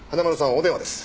お電話です。